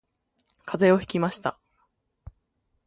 風邪をひきました